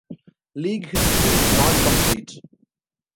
"League history is not complete"